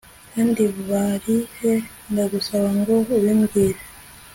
kandi bari he? ndagusaba ngo ubibwire